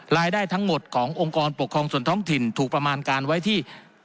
รายได้ทั้งหมดขององค์กรปกครองส่วนท้องถิ่นถูกประมาณการไว้ที่